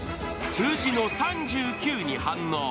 数字の「３９」に反応。